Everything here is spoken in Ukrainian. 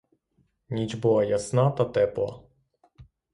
Ніч була ясна та тепла.